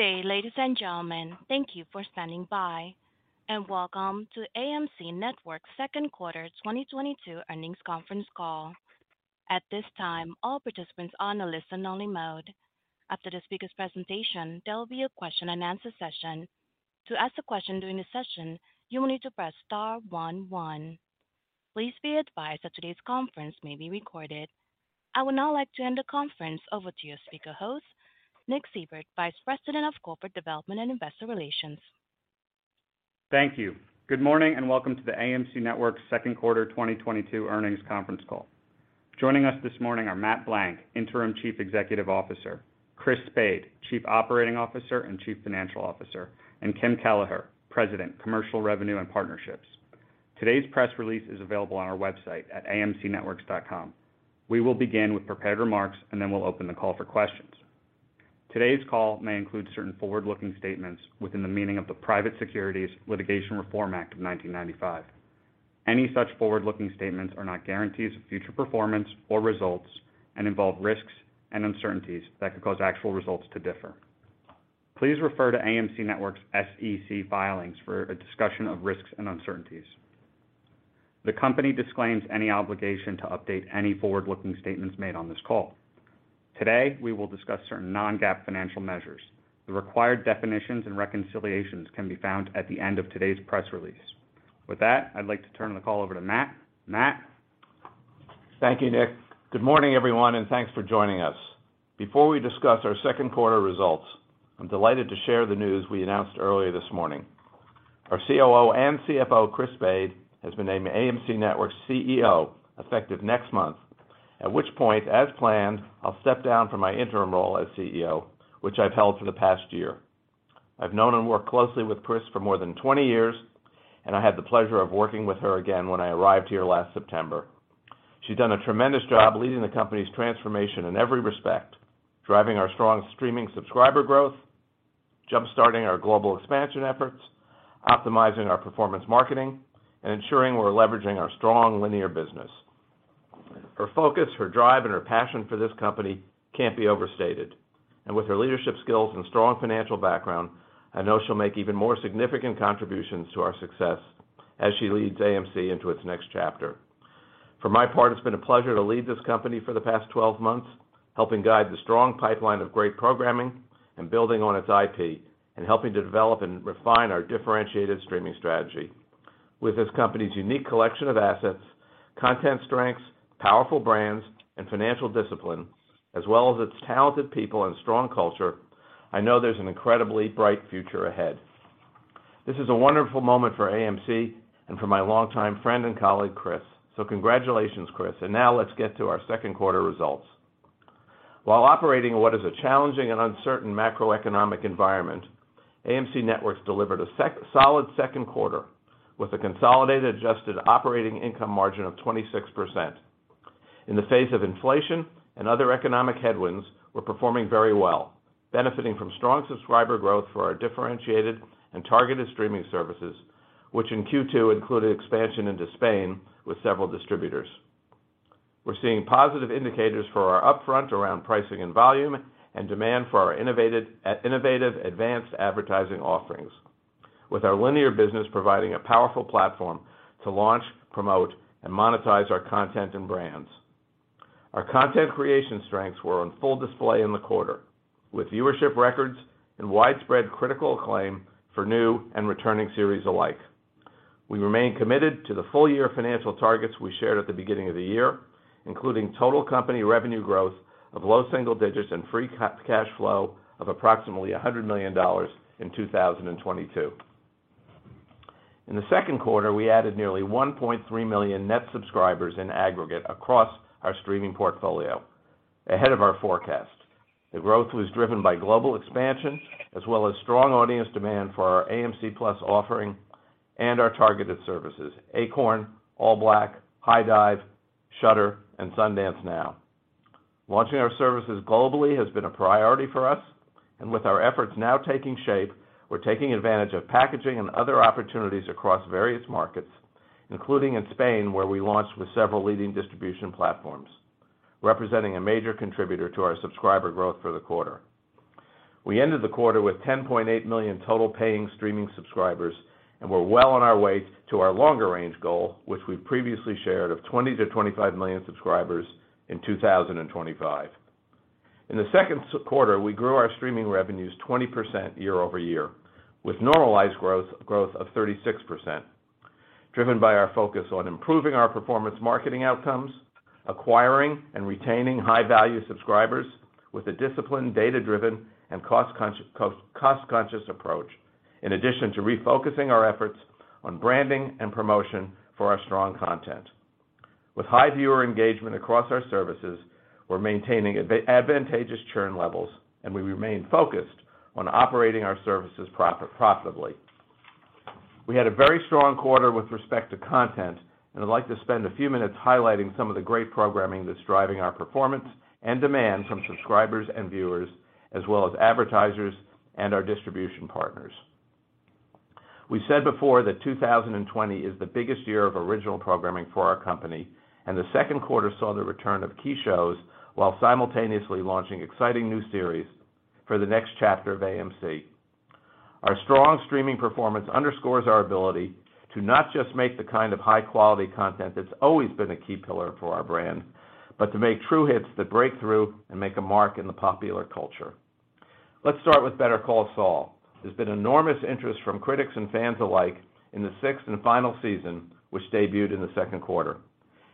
Good day, ladies and gentlemen. Thank you for standing by, and welcome to AMC Networks' Second Quarter 2022 Earnings Conference Call. At this time, all participants are in a listen-only mode. After the speaker's presentation, there will be a question-and-answer session. To ask a question during the session, you will need to press star one one. Please be advised that today's conference may be recorded. I would now like to hand the conference over to your speaker host, Nicholas Seibert, Vice President of Corporate Development and Investor Relations. Thank you. Good morning, and welcome to the AMC Networks' Second Quarter 2022 Earnings Conference Call. Joining us this morning are Matt Blank, Interim Chief Executive Officer, Chris Spade, Chief Operating Officer and Chief Financial Officer, and Kim Kelleher, President, Commercial Revenue and Partnerships. Today's press release is available on our website at amcnetworks.com. We will begin with prepared remarks, and then we'll open the call for questions. Today's call may include certain forward-looking statements within the meaning of the Private Securities Litigation Reform Act of 1995. Any such forward-looking statements are not guarantees of future performance or results and involve risks and uncertainties that could cause actual results to differ. Please refer to AMC Networks' SEC filings for a discussion of risks and uncertainties. The company disclaims any obligation to update any forward-looking statements made on this call. Today, we will discuss certain non-GAAP financial measures. The required definitions and reconciliations can be found at the end of today's press release. With that, I'd like to turn the call over to Matt. Matt? Thank you, Nick. Good morning, everyone, and thanks for joining us. Before we discuss our second quarter results, I'm delighted to share the news we announced earlier this morning. Our COO and CFO, Chris Spade, has been named AMC Networks' CEO effective next month, at which point, as planned, I'll step down from my interim role as CEO, which I've held for the past year. I've known and worked closely with Chris for more than 20 years, and I had the pleasure of working with her again when I arrived here last September. She's done a tremendous job leading the company's transformation in every respect, driving our strong streaming subscriber growth, jump-starting our global expansion efforts, optimizing our performance marketing, and ensuring we're leveraging our strong linear business. Her focus, her drive, and her passion for this company can't be overstated. With her leadership skills and strong financial background, I know she'll make even more significant contributions to our success as she leads AMC into its next chapter. For my part, it's been a pleasure to lead this company for the past 12 months, helping guide the strong pipeline of great programming and building on its IP and helping to develop and refine our differentiated streaming strategy. With this company's unique collection of assets, content strengths, powerful brands, and financial discipline, as well as its talented people and strong culture, I know there's an incredibly bright future ahead. This is a wonderful moment for AMC and for my longtime friend and colleague, Chris. Congratulations, Chris. Now let's get to our second quarter results. While operating in what is a challenging and uncertain macroeconomic environment, AMC Networks delivered a solid second quarter with a consolidated adjusted operating income margin of 26%. In the face of inflation and other economic headwinds, we're performing very well, benefiting from strong subscriber growth for our differentiated and targeted streaming services, which in Q2 included expansion into Spain with several distributors. We're seeing positive indicators for our upfront around pricing and volume and demand for our innovative advanced advertising offerings. With our linear business providing a powerful platform to launch, promote, and monetize our content and brands. Our content creation strengths were on full display in the quarter, with viewership records and widespread critical acclaim for new and returning series alike. We remain committed to the full-year financial targets we shared at the beginning of the year, including total company revenue growth of low single digits% and free cash flow of approximately $100 million in 2022. In the second quarter, we added nearly 1.3 million net subscribers in aggregate across our streaming portfolio, ahead of our forecast. The growth was driven by global expansion as well as strong audience demand for our AMC+ offering and our targeted services, Acorn, ALLBLK, HIDIVE, Shudder, and Sundance Now. Launching our services globally has been a priority for us, and with our efforts now taking shape, we're taking advantage of packaging and other opportunities across various markets, including in Spain, where we launched with several leading distribution platforms, representing a major contributor to our subscriber growth for the quarter. We ended the quarter with 10.8 million total paying streaming subscribers, and we're well on our way to our longer-range goal, which we've previously shared of 20-25 million subscribers in 2025. In the second quarter, we grew our streaming revenues 20% year-over-year, with normalized growth of 36%, driven by our focus on improving our performance marketing outcomes, acquiring and retaining high-value subscribers with a disciplined, data-driven, and cost-conscious approach, in addition to refocusing our efforts on branding and promotion for our strong content. With high viewer engagement across our services, we're maintaining advantageous churn levels, and we remain focused on operating our services profitably. We had a very strong quarter with respect to content, and I'd like to spend a few minutes highlighting some of the great programming that's driving our performance and demand from subscribers and viewers, as well as advertisers and our distribution partners. We said before that 2020 is the biggest year of original programming for our company, and the second quarter saw the return of key shows while simultaneously launching exciting new series for the next chapter of AMC. Our strong streaming performance underscores our ability to not just make the kind of high-quality content that's always been a key pillar for our brand, but to make true hits that break through and make a mark in the popular culture. Let's start with Better Call Saul. There's been enormous interest from critics and fans alike in the sixth and final season, which debuted in the second quarter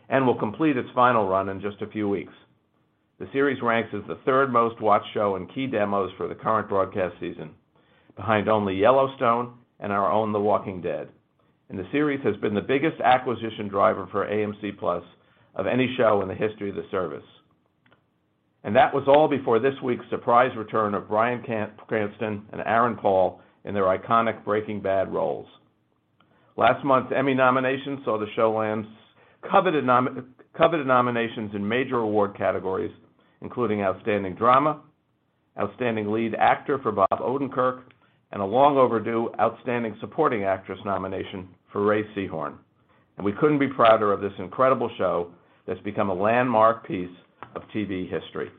and will complete its final run in just a few weeks. The series ranks as the third most-watched show in key demos for the current broadcast season, behind only Yellowstone and our own The Walking Dead. The series has been the biggest acquisition driver for AMC+ of any show in the history of the service. That was all before this week's surprise return of Bryan Cranston and Aaron Paul in their iconic Breaking Bad roles. Last month's Emmy nominations saw the show land coveted nominations in major award categories, including Outstanding Drama, Outstanding Lead Actor for Bob Odenkirk, and a long overdue Outstanding Supporting Actress nomination for Rhea Seehorn. We couldn't be prouder of this incredible show that's become a landmark piece of TV history.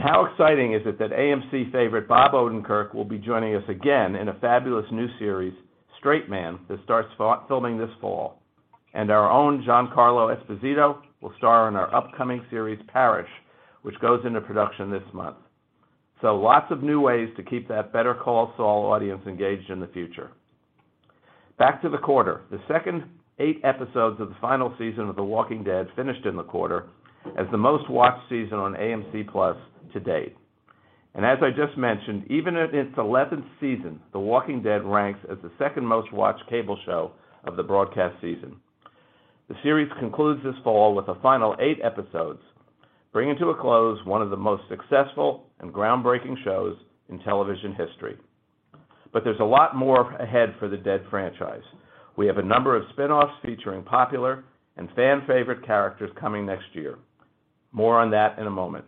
How exciting is it that AMC favorite Bob Odenkirk will be joining us again in a fabulous new series, Straight Man, that starts filming this fall. Our own Giancarlo Esposito will star in our upcoming series Parish, which goes into production this month. Lots of new ways to keep that Better Call Saul audience engaged in the future. Back to the quarter. The second eight episodes of the final season of The Walking Dead finished in the quarter as the most-watched season on AMC+ to date. As I just mentioned, even in its 11th season, The Walking Dead ranks as the second most-watched cable show of the broadcast season. The series concludes this fall with a final eight episodes, bringing to a close one of the most successful and groundbreaking shows in television history. There's a lot more ahead for the Dead franchise. We have a number of spin-offs featuring popular and fan favorite characters coming next year. More on that in a moment.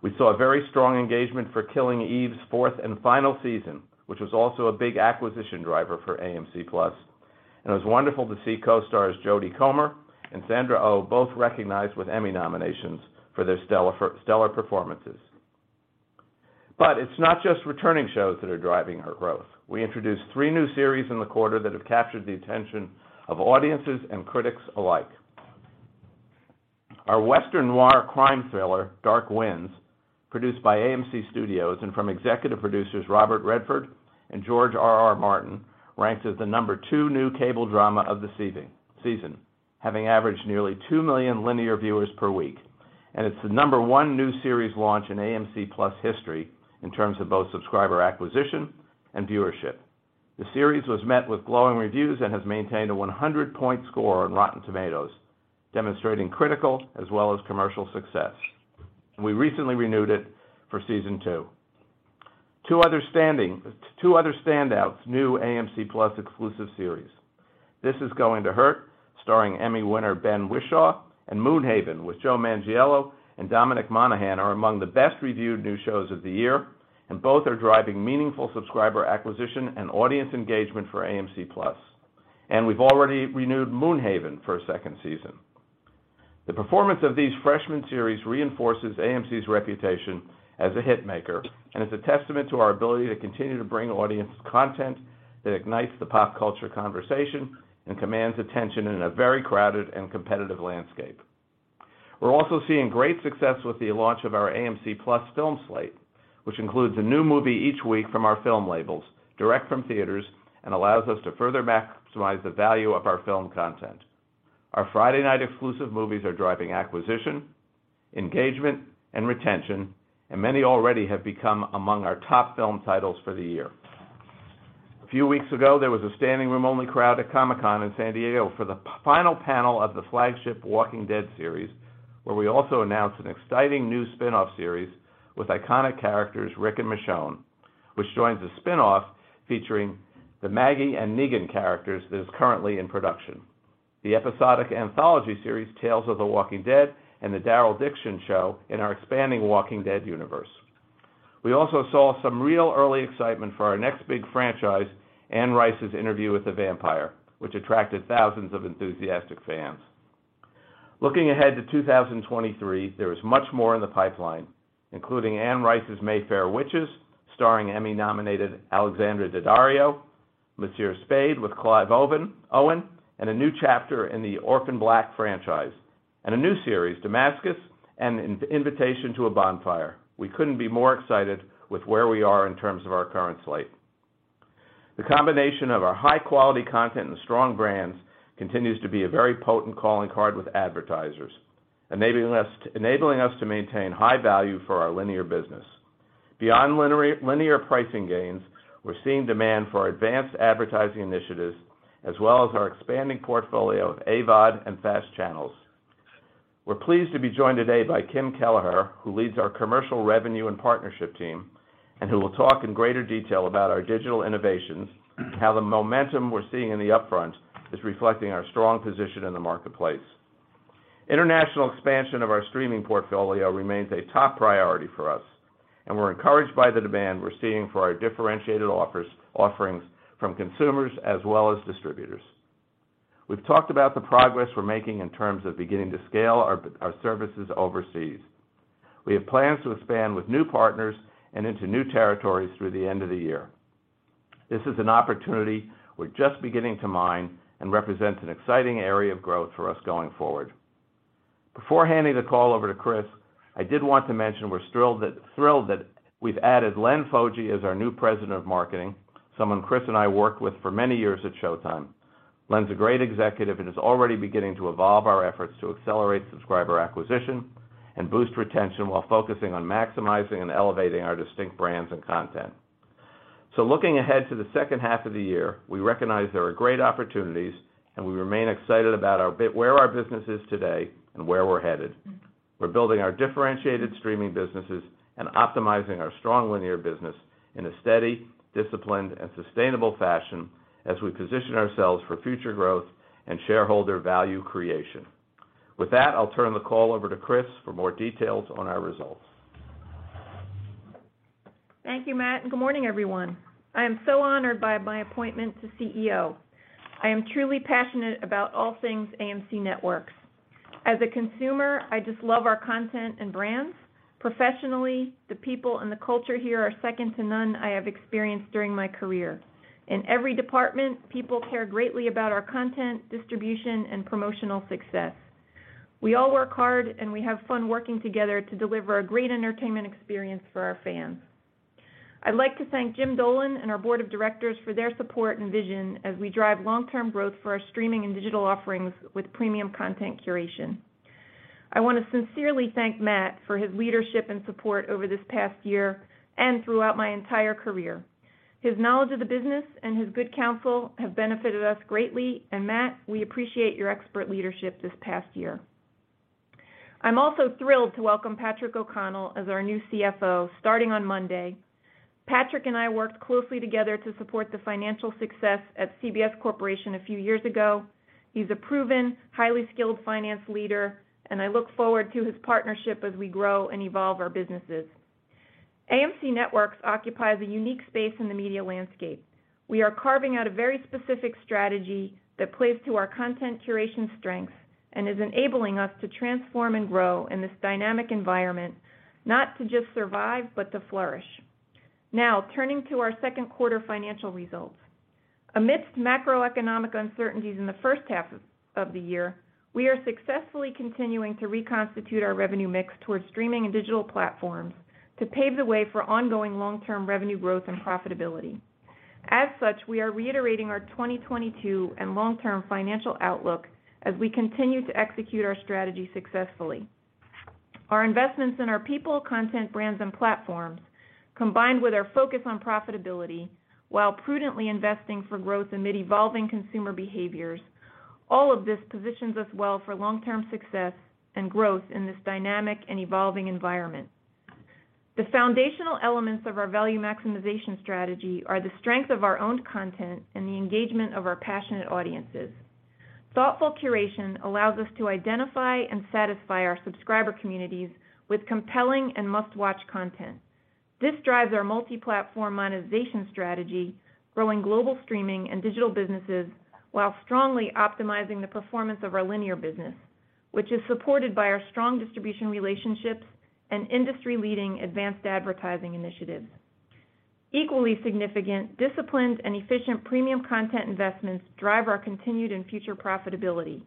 We saw a very strong engagement for Killing Eve's fourth and final season, which was also a big acquisition driver for AMC+. It was wonderful to see co-stars Jodie Comer and Sandra Oh both recognized with Emmy nominations for their stellar performances. It's not just returning shows that are driving our growth. We introduced three new series in the quarter that have captured the attention of audiences and critics alike. Our Western noir crime thriller, Dark Winds, produced by AMC Studios and from executive producers Robert Redford and George R.R. Martin ranks as the number two new cable drama of the 2023 season, having averaged nearly 2 million linear viewers per week. It's the number one new series launch in AMC+ history in terms of both subscriber acquisition and viewership. The series was met with glowing reviews and has maintained a 100% score on Rotten Tomatoes, demonstrating critical as well as commercial success. We recently renewed it for season two. Two other standouts, new AMC+ exclusive series. This Is Going to Hurt, starring Emmy winner Ben Whishaw, and Moonhaven with Joe Manganiello and Dominic Monaghan, are among the best reviewed new shows of the year, and both are driving meaningful subscriber acquisition and audience engagement for AMC+. We've already renewed Moonhaven for a second season. The performance of these freshman series reinforces AMC's reputation as a hit maker and is a testament to our ability to continue to bring audience content that ignites the pop culture conversation and commands attention in a very crowded and competitive landscape. We're also seeing great success with the launch of our AMC+ film slate, which includes a new movie each week from our film labels, direct from theaters, and allows us to further maximize the value of our film content. Our Friday night exclusive movies are driving acquisition, engagement, and retention, and many already have become among our top film titles for the year. A few weeks ago, there was a standing room only crowd at Comic-Con in San Diego for the final panel of the flagship Walking Dead series, where we also announced an exciting new spin-off series with iconic characters Rick and Michonne, which joins a spin-off featuring the Maggie and Negan characters that is currently in production. The episodic anthology series, Tales of the Walking Dead and the Daryl Dixon show in our expanding Walking Dead universe. We also saw some real early excitement for our next big franchise, Anne Rice's Interview with the Vampire, which attracted thousands of enthusiastic fans. Looking ahead to 2023, there is much more in the pipeline, including Anne Rice's Mayfair Witches, starring Emmy-nominated Alexandra Daddario, Monsieur Spade with Clive Owen, and a new chapter in the Orphan Black franchise, and a new series, Demascus and Invitation to a Bonfire. We couldn't be more excited with where we are in terms of our current slate. The combination of our high-quality content and strong brands continues to be a very potent calling card with advertisers, enabling us to maintain high value for our linear business. Beyond linear pricing gains, we're seeing demand for our advanced advertising initiatives as well as our expanding portfolio of AVOD and FAST channels. We're pleased to be joined today by Kim Kelleher, who leads our commercial revenue and partnership team and who will talk in greater detail about our digital innovations, how the momentum we're seeing in the upfront is reflecting our strong position in the marketplace. International expansion of our streaming portfolio remains a top priority for us, and we're encouraged by the demand we're seeing for our differentiated offerings from consumers as well as distributors. We've talked about the progress we're making in terms of beginning to scale our services overseas. We have plans to expand with new partners and into new territories through the end of the year. This is an opportunity we're just beginning to mine and represents an exciting area of growth for us going forward. Before handing the call over to Chris, I did want to mention we're thrilled that we've added Len Fogge as our new President of Marketing, someone Chris and I worked with for many years at Showtime. Len's a great executive and is already beginning to evolve our efforts to accelerate subscriber acquisition and boost retention while focusing on maximizing and elevating our distinct brands and content. Looking ahead to the second half of the year, we recognize there are great opportunities, and we remain excited about where our business is today and where we're headed. We're building our differentiated streaming businesses and optimizing our strong linear business in a steady, disciplined, and sustainable fashion as we position ourselves for future growth and shareholder value creation. With that, I'll turn the call over to Chris for more details on our results. Thank you, Matt, and good morning, everyone. I am so honored by my appointment to CEO. I am truly passionate about all things AMC Networks. As a consumer, I just love our content and brands. Professionally, the people and the culture here are second to none I have experienced during my career. In every department, people care greatly about our content, distribution, and promotional success. We all work hard, and we have fun working together to deliver a great entertainment experience for our fans. I'd like to thank Jim Dolan and our board of directors for their support and vision as we drive long-term growth for our streaming and digital offerings with premium content curation. I want to sincerely thank Matt for his leadership and support over this past year and throughout my entire career. His knowledge of the business and his good counsel have benefited us greatly, and Matt, we appreciate your expert leadership this past year. I'm also thrilled to welcome Patrick O'Connell as our new CFO starting on Monday. Patrick and I worked closely together to support the financial success at CBS Corporation a few years ago. He's a proven, highly skilled finance leader, and I look forward to his partnership as we grow and evolve our businesses. AMC Networks occupies a unique space in the media landscape. We are carving out a very specific strategy that plays to our content curation strengths and is enabling us to transform and grow in this dynamic environment, not to just survive, but to flourish. Now, turning to our second quarter financial results. Amidst macroeconomic uncertainties in the first half of the year, we are successfully continuing to reconstitute our revenue mix towards streaming and digital platforms to pave the way for ongoing long-term revenue growth and profitability. As such, we are reiterating our 2022 and long-term financial outlook as we continue to execute our strategy successfully. Our investments in our people, content, brands, and platforms, combined with our focus on profitability while prudently investing for growth amid evolving consumer behaviors, all of this positions us well for long-term success and growth in this dynamic and evolving environment. The foundational elements of our value maximization strategy are the strength of our owned content and the engagement of our passionate audiences. Thoughtful curation allows us to identify and satisfy our subscriber communities with compelling and must-watch content. This drives our multi-platform monetization strategy, growing global streaming and digital businesses, while strongly optimizing the performance of our linear business, which is supported by our strong distribution relationships and industry-leading advanced advertising initiatives. Equally significant, disciplined and efficient premium content investments drive our continued and future profitability.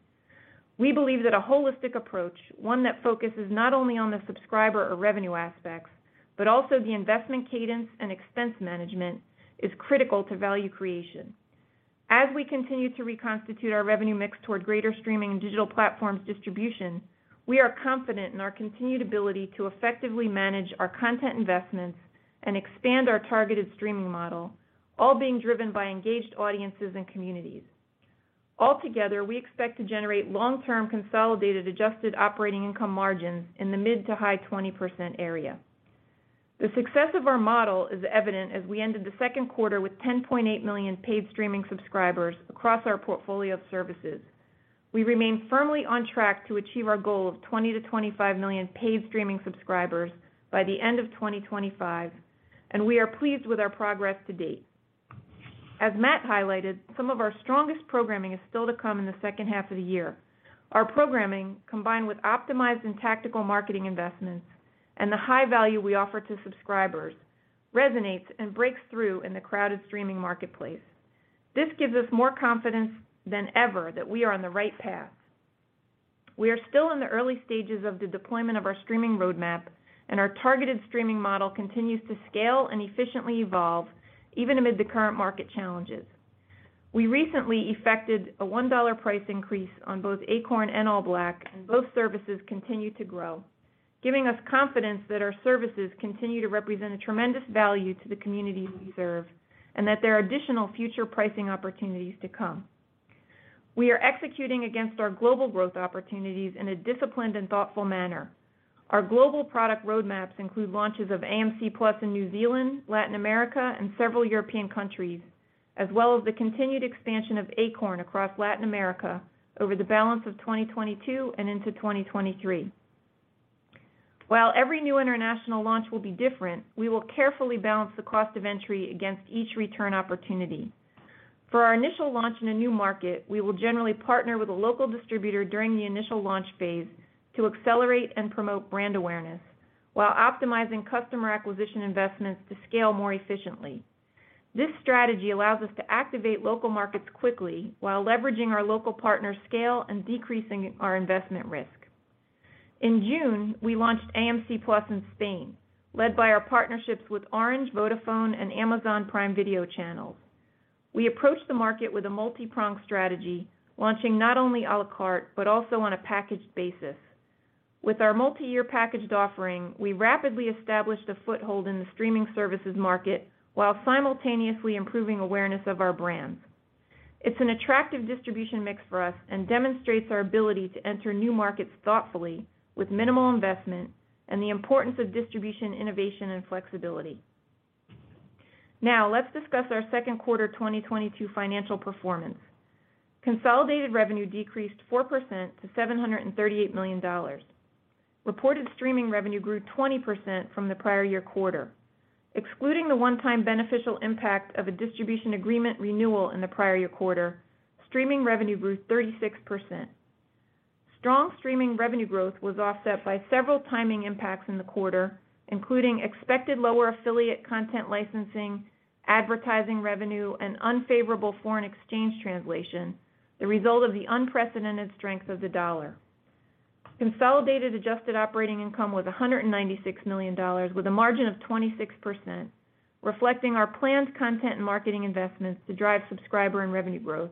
We believe that a holistic approach, one that focuses not only on the subscriber or revenue aspects, but also the investment cadence and expense management, is critical to value creation. As we continue to reconstitute our revenue mix toward greater streaming and digital platforms distribution, we are confident in our continued ability to effectively manage our content investments and expand our targeted streaming model, all being driven by engaged audiences and communities. Altogether, we expect to generate long-term consolidated adjusted operating income margins in the mid to high-20% area. The success of our model is evident as we ended the second quarter with 10.8 million paid streaming subscribers across our portfolio of services. We remain firmly on track to achieve our goal of 20-25 million paid streaming subscribers by the end of 2025, and we are pleased with our progress to date. As Matt highlighted, some of our strongest programming is still to come in the second half of the year. Our programming, combined with optimized and tactical marketing investments and the high value we offer to subscribers, resonates and breaks through in the crowded streaming marketplace. This gives us more confidence than ever that we are on the right path. We are still in the early stages of the deployment of our streaming roadmap, and our targeted streaming model continues to scale and efficiently evolve even amid the current market challenges. We recently effected a $1 price increase on both Acorn and ALLBLK, and both services continue to grow, giving us confidence that our services continue to represent a tremendous value to the communities we serve and that there are additional future pricing opportunities to come. We are executing against our global growth opportunities in a disciplined and thoughtful manner. Our global product roadmaps include launches of AMC+ in New Zealand, Latin America, and several European countries, as well as the continued expansion of Acorn across Latin America over the balance of 2022 and into 2023. While every new international launch will be different, we will carefully balance the cost of entry against each return opportunity. For our initial launch in a new market, we will generally partner with a local distributor during the initial launch phase to accelerate and promote brand awareness while optimizing customer acquisition investments to scale more efficiently. This strategy allows us to activate local markets quickly while leveraging our local partner scale and decreasing our investment risk. In June, we launched AMC+ in Spain, led by our partnerships with Orange, Vodafone and Amazon Prime Video Channels. We approached the market with a multipronged strategy, launching not only à la carte, but also on a packaged basis. With our multi-year packaged offering, we rapidly established a foothold in the streaming services market while simultaneously improving awareness of our brands. It's an attractive distribution mix for us and demonstrates our ability to enter new markets thoughtfully with minimal investment and the importance of distribution, innovation and flexibility. Now let's discuss our second quarter 2022 financial performance. Consolidated revenue decreased 4% to $738 million. Reported streaming revenue grew 20% from the prior year quarter. Excluding the one time beneficial impact of a distribution agreement renewal in the prior year quarter, streaming revenue grew 36%. Strong streaming revenue growth was offset by several timing impacts in the quarter, including expected lower affiliate content licensing, advertising revenue, and unfavorable foreign exchange translation, the result of the unprecedented strength of the dollar. Consolidated adjusted operating income was $196 million, with a margin of 26%, reflecting our planned content and marketing investments to drive subscriber and revenue growth.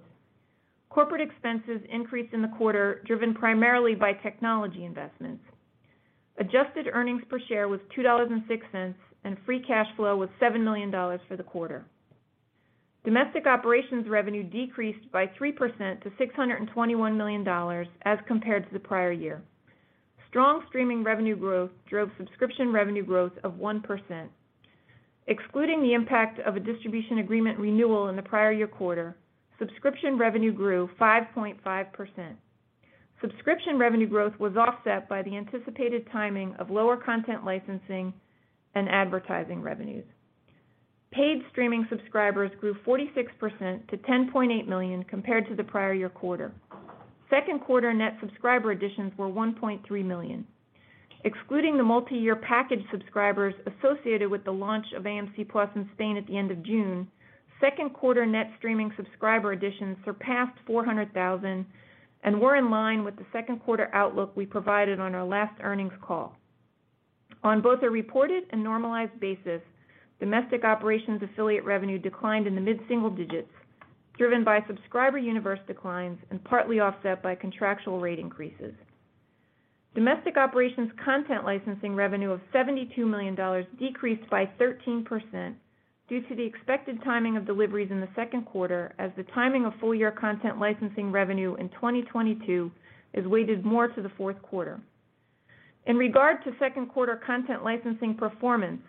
Corporate expenses increased in the quarter, driven primarily by technology investments. Adjusted earnings per share was $2.06, and free cash flow was $7 million for the quarter. Domestic operations revenue decreased by 3% to $621 million as compared to the prior year. Strong streaming revenue growth drove subscription revenue growth of 1%. Excluding the impact of a distribution agreement renewal in the prior year quarter, subscription revenue grew 5.5%. Subscription revenue growth was offset by the anticipated timing of lower content licensing and advertising revenues. Paid streaming subscribers grew 46% to 10.8 million compared to the prior year quarter. Second quarter net subscriber additions were 1.3 million. Excluding the multi-year package subscribers associated with the launch of AMC+ in Spain at the end of June, second quarter net streaming subscriber additions surpassed 400,000 and were in line with the second quarter outlook we provided on our last earnings call. On both a reported and normalized basis, domestic operations affiliate revenue declined in the mid-single digits, driven by subscriber universe declines and partly offset by contractual rate increases. Domestic operations content licensing revenue of $72 million decreased by 13% due to the expected timing of deliveries in the second quarter as the timing of full year content licensing revenue in 2022 is weighted more to the fourth quarter. In regard to second quarter content licensing performance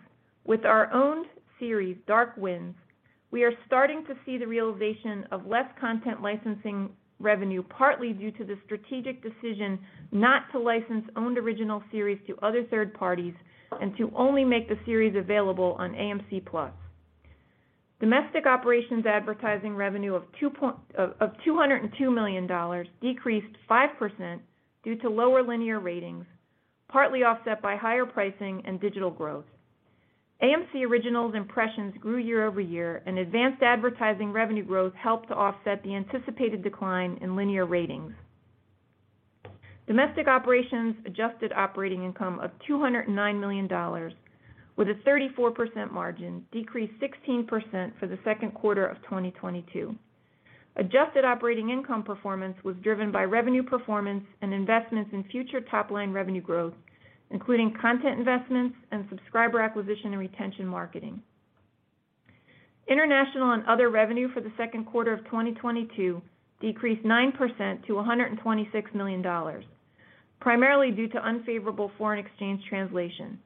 with our owned series Dark Winds, we are starting to see the realization of less content licensing revenue, partly due to the strategic decision not to license owned original series to other third parties and to only make the series available on AMC+. Domestic operations advertising revenue of $202 million decreased 5% due to lower linear ratings, partly offset by higher pricing and digital growth. AMC Originals impressions grew year-over-year, and advanced advertising revenue growth helped to offset the anticipated decline in linear ratings. Domestic operations adjusted operating income of $209 million with a 34% margin decreased 16% for the second quarter of 2022. Adjusted operating income performance was driven by revenue performance and investments in future top line revenue growth, including content investments and subscriber acquisition and retention marketing. International and other revenue for the second quarter of 2022 decreased 9%-$126 million, primarily due to unfavorable foreign exchange translation.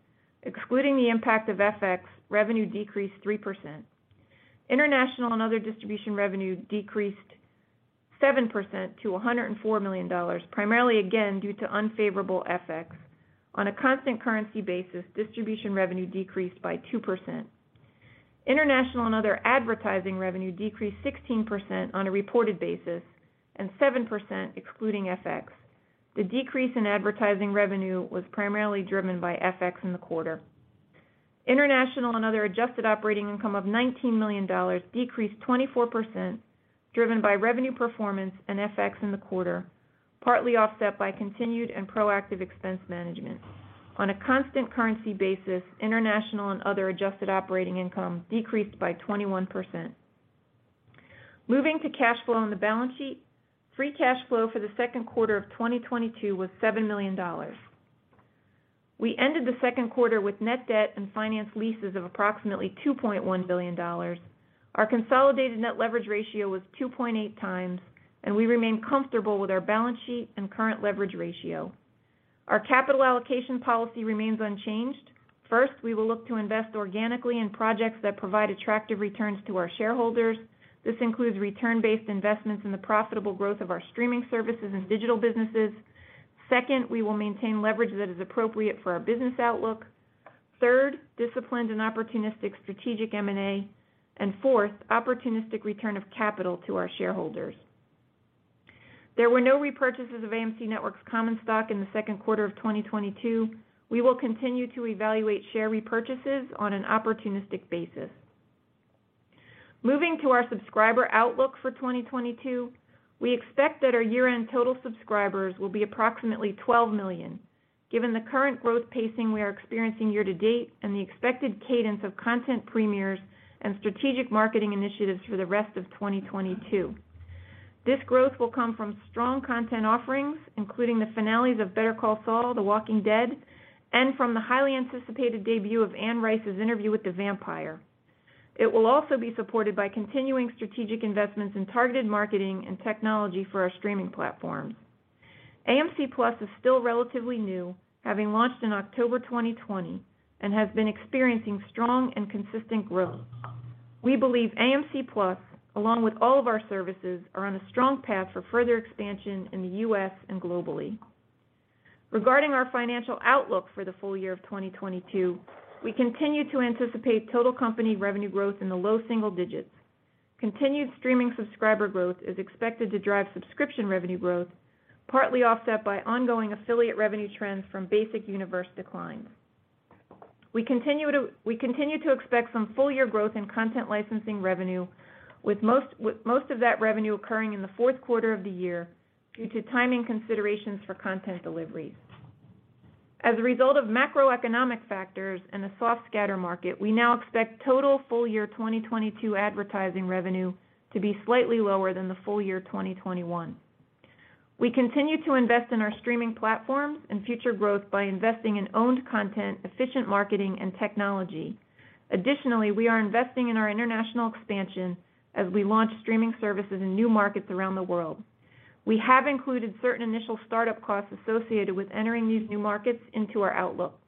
Excluding the impact of FX, revenue decreased 3%. International and other distribution revenue decreased 7%-$104 million, primarily again due to unfavorable FX. On a constant currency basis, distribution revenue decreased by 2%. International and other advertising revenue decreased 16% on a reported basis and 7% excluding FX. The decrease in advertising revenue was primarily driven by FX in the quarter. International and other adjusted operating income of $19 million decreased 24% driven by revenue performance and FX in the quarter, partly offset by continued and proactive expense management. On a constant currency basis, international and other adjusted operating income decreased by 21%. Moving to cash flow on the balance sheet. Free cash flow for the second quarter of 2022 was $7 million. We ended the second quarter with net debt and finance leases of approximately $2.1 billion. Our consolidated net leverage ratio was 2.8x, and we remain comfortable with our balance sheet and current leverage ratio. Our capital allocation policy remains unchanged. First, we will look to invest organically in projects that provide attractive returns to our shareholders. This includes return-based investments in the profitable growth of our streaming services and digital businesses. Second, we will maintain leverage that is appropriate for our business outlook. Third, disciplined and opportunistic strategic M&A. Fourth, opportunistic return of capital to our shareholders. There were no repurchases of AMC Networks' common stock in the second quarter of 2022. We will continue to evaluate share repurchases on an opportunistic basis. Moving to our subscriber outlook for 2022, we expect that our year-end total subscribers will be approximately 12 million, given the current growth pacing we are experiencing year to date and the expected cadence of content premieres and strategic marketing initiatives for the rest of 2022. This growth will come from strong content offerings, including the finales of Better Call Saul, The Walking Dead, and from the highly anticipated debut of Anne Rice's Interview with the Vampire. It will also be supported by continuing strategic investments in targeted marketing and technology for our streaming platforms. AMC+ is still relatively new, having launched in October 2020 and has been experiencing strong and consistent growth. We believe AMC+, along with all of our services, are on a strong path for further expansion in the U.S. and globally. Regarding our financial outlook for the full year of 2022, we continue to anticipate total company revenue growth in the low single digits. Continued streaming subscriber growth is expected to drive subscription revenue growth, partly offset by ongoing affiliate revenue trends from basic universe declines. We continue to expect some full year growth in content licensing revenue, with most of that revenue occurring in the fourth quarter of the year due to timing considerations for content deliveries. As a result of macroeconomic factors and a soft scatter market, we now expect total full year 2022 advertising revenue to be slightly lower than the full year 2021. We continue to invest in our streaming platforms and future growth by investing in owned content, efficient marketing and technology. Additionally, we are investing in our international expansion as we launch streaming services in new markets around the world. We have included certain initial startup costs associated with entering these new markets into our outlook.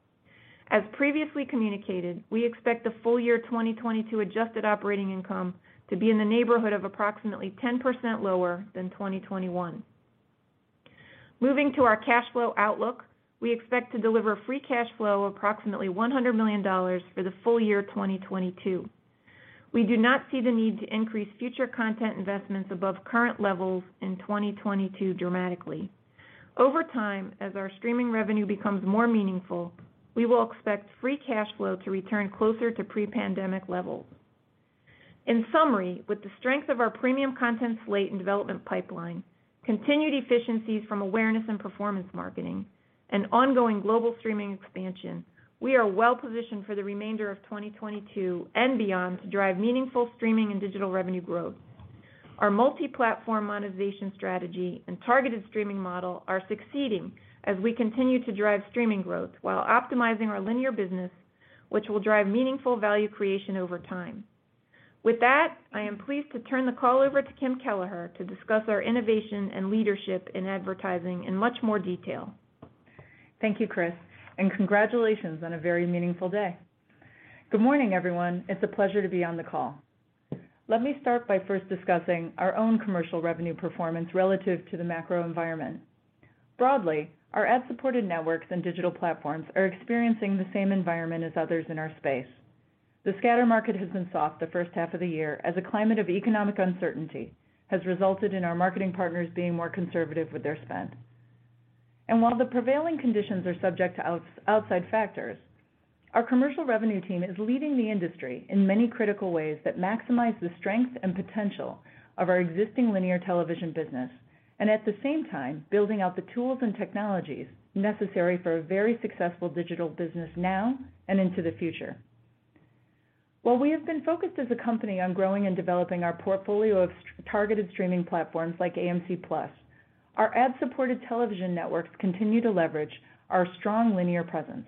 As previously communicated, we expect the full year 2022 adjusted operating income to be in the neighborhood of approximately 10% lower than 2021. Moving to our cash flow outlook, we expect to deliver free cash flow approximately $100 million for the full year 2022. We do not see the need to increase future content investments above current levels in 2022 dramatically. Over time, as our streaming revenue becomes more meaningful, we will expect free cash flow to return closer to pre-pandemic levels. In summary, with the strength of our premium content slate and development pipeline, continued efficiencies from awareness and performance marketing and ongoing global streaming expansion, we are well positioned for the remainder of 2022 and beyond to drive meaningful streaming and digital revenue growth. Our multi-platform monetization strategy and targeted streaming model are succeeding as we continue to drive streaming growth while optimizing our linear business, which will drive meaningful value creation over time. With that, I am pleased to turn the call over to Kim Kelleher to discuss our innovation and leadership in advertising in much more detail. Thank you, Chris, and congratulations on a very meaningful day. Good morning, everyone. It's a pleasure to be on the call. Let me start by first discussing our own commercial revenue performance relative to the macro environment. Broadly, our ad-supported networks and digital platforms are experiencing the same environment as others in our space. The scatter market has been soft the first half of the year as a climate of economic uncertainty has resulted in our marketing partners being more conservative with their spend. While the prevailing conditions are subject to outside factors, our commercial revenue team is leading the industry in many critical ways that maximize the strength and potential of our existing linear television business. At the same time building out the tools and technologies necessary for a very successful digital business now and into the future. While we have been focused as a company on growing and developing our portfolio of streaming-targeted streaming platforms like AMC+, our ad-supported television networks continue to leverage our strong linear presence.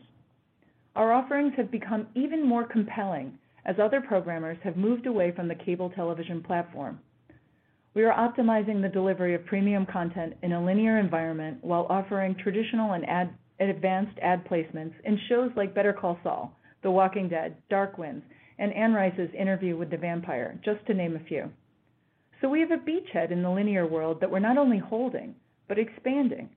Our offerings have become even more compelling as other programmers have moved away from the cable television platform. We are optimizing the delivery of premium content in a linear environment while offering traditional and advanced ad placements in shows like Better Call Saul, The Walking Dead, Dark Winds, and Anne Rice's Interview with the Vampire, just to name a few. We have a beachhead in the linear world that we're not only holding, but expanding.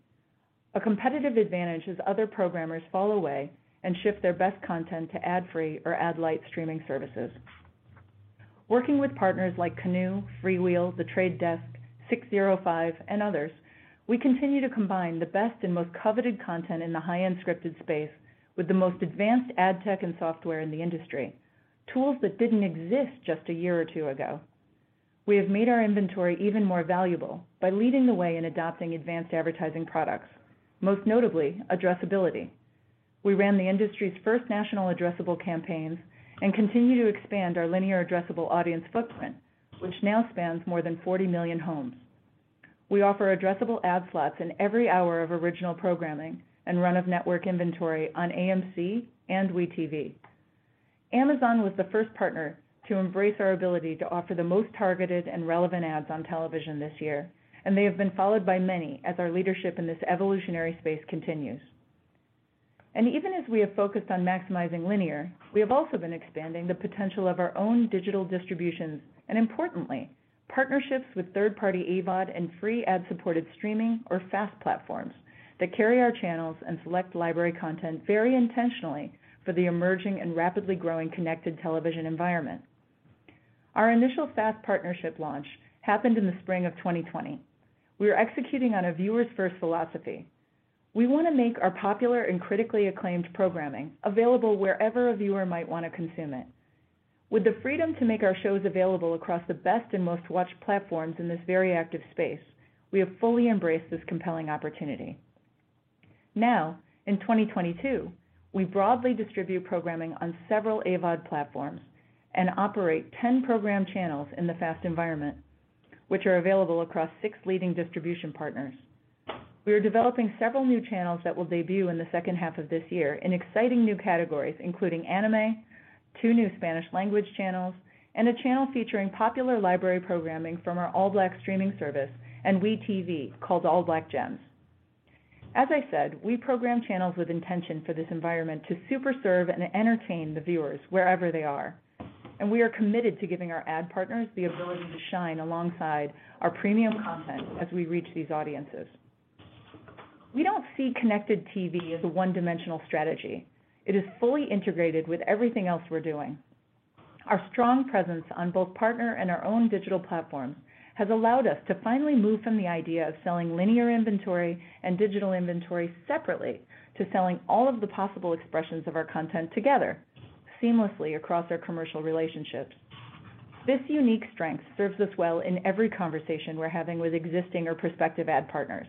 A competitive advantage as other programmers fall away and shift their best content to ad-free or ad light streaming services. Working with partners like Canoe, FreeWheel, The Trade Desk, 605, and others, we continue to combine the best and most coveted content in the high-end scripted space with the most advanced ad tech and software in the industry, tools that didn't exist just a year or two ago. We have made our inventory even more valuable by leading the way in adopting advanced advertising products, most notably addressability. We ran the industry's first national addressable campaigns and continue to expand our linear addressable audience footprint, which now spans more than 40 million homes. We offer addressable ad slots in every hour of original programming and run of network inventory on AMC and WE tv. Amazon was the first partner to embrace our ability to offer the most targeted and relevant ads on television this year, and they have been followed by many as our leadership in this evolutionary space continues. Even as we have focused on maximizing linear, we have also been expanding the potential of our own digital distributions and importantly, partnerships with third-party AVOD and free ad-supported streaming or FAST platforms that carry our channels and select library content very intentionally for the emerging and rapidly growing connected television environment. Our initial FAST partnership launch happened in the spring of 2020. We are executing on a viewer's first philosophy. We want to make our popular and critically acclaimed programming available wherever a viewer might want to consume it. With the freedom to make our shows available across the best and most watched platforms in this very active space, we have fully embraced this compelling opportunity. Now, in 2022, we broadly distribute programming on several AVOD platforms and operate 10 program channels in the FAST environment, which are available across six leading distribution partners. We are developing several new channels that will debut in the second half of this year in exciting new categories, including anime, two new Spanish language channels, and a channel featuring popular library programming from our ALLBLK streaming service and WE tv called ALLBLK Gems. As I said, we program channels with intention for this environment to super serve and entertain the viewers wherever they are, and we are committed to giving our ad partners the ability to shine alongside our premium content as we reach these audiences. We don't see connected TV as a one-dimensional strategy. It is fully integrated with everything else we're doing. Our strong presence on both partner and our own digital platforms has allowed us to finally move from the idea of selling linear inventory and digital inventory separately to selling all of the possible expressions of our content together seamlessly across our commercial relationships. This unique strength serves us well in every conversation we're having with existing or prospective ad partners.